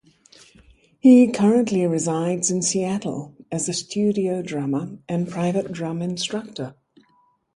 He currently resides in Seattle as a studio drummer and private drum instructor.